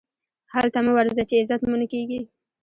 هلته مه ورځئ، چي عزت مو نه کېږي.